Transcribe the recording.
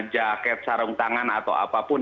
jaket sarung tangan atau apapun